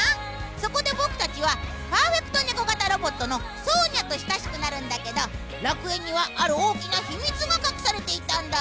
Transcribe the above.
そこで、僕たちはパーフェクトネコ型ロボットのソーニャと親しくなるんだけど楽園にはある大きな秘密が隠されていたんだ。